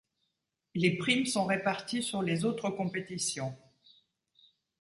Les primes sont réparties sur les autres compétitions.